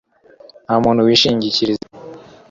ntamuntu wishingikiriza